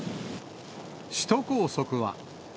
首都高速は。